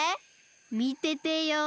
みててよ。